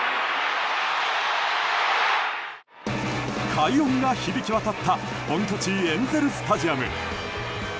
快音が響き渡った本拠地エンゼル・スタジアム。